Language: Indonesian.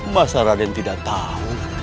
masa raden tidak tahu